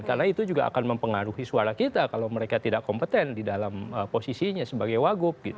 karena itu juga akan mempengaruhi suara kita kalau mereka tidak kompeten di dalam posisinya sebagai wagub gitu kan